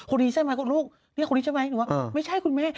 คนนี้ใช่มั้ยนี่คนนี้ใช่มั้ยหนูก็ว่าไม่ใช่คุณแม่